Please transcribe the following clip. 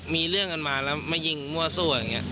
มีเรื่องกันมาแล้วมายิงลวดสู้